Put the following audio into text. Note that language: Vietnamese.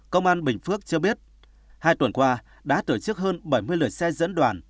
công an bình phước cho biết hai tuần qua đã tổ chức hơn bảy mươi lượt xe dẫn đoàn